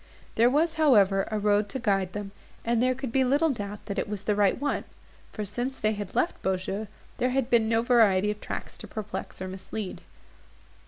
There was, however, a road to guide them; and there could be little doubt that it was the right one; for, since they had left Beaujeu, there had been no variety of tracks to perplex or mislead.